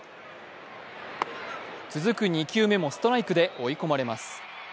続く２球目もストライクで追い込まれます。